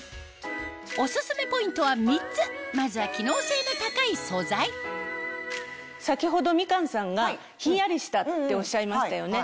オススメポイントは３つまずは先ほどみかんさんがヒンヤリしたっておっしゃいましたよね。